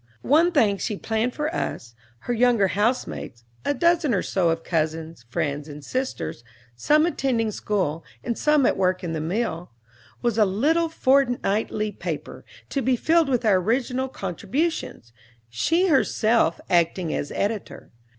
One thing she planned for us, her younger housemates, a dozen or so of cousins, friends, and sisters, some attending school, and some at work in the mill, was a little fortnightly paper, to be filled with our original contributions, she herself acting as editor.